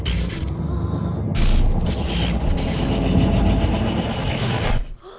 あっ！